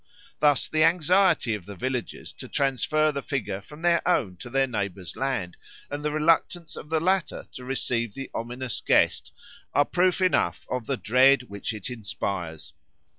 Thus the anxiety of the villagers to transfer the figure from their own to their neighbours' land, and the reluctance of the latter to receive the ominous guest, are proof enough of the dread which it inspires.